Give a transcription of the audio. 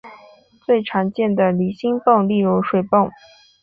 最常见的离心泵例如水泵。